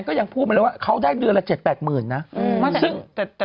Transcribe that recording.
ก็ยังพูดมาเลยว่าเขาได้เดือนละ๗๘หมื่นนะ